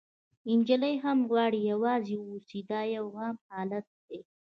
نجلۍ هم غواړي یوازې واوسي، دا یو عام حالت دی.